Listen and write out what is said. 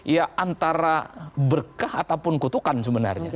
ya antara berkah ataupun kutukan sebenarnya